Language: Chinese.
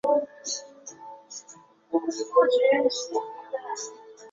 所有模型都是图灵等价的。